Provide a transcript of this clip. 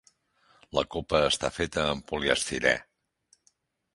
La copa està feta amb poliestirè.